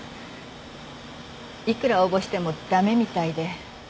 いくら応募しても駄目みたいで。